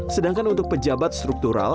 sedangkan untuk pejabat struktural